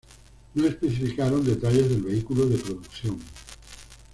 No especificaron detalles del vehículo de producción.